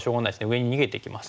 上に逃げていきます。